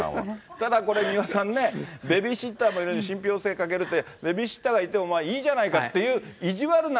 ただこれ、三輪さんね、ベビーシッターさんも行って、ベビーシッターいても別にいいじゃないかっていう、意地悪な。